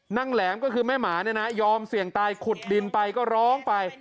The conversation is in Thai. แหลมก็คือแม่หมาเนี่ยนะยอมเสี่ยงตายขุดดินไปก็ร้องไป